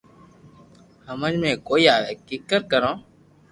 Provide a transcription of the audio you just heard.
ھمج مي ڪوئي آوي ڪيڪر ڪرو